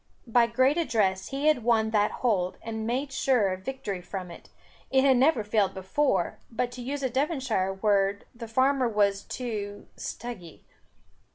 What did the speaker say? By great address he had won that hold, and made sure of victory from it, it had never failed before; but to use a Devonshire word, the farmer was too "stuggy."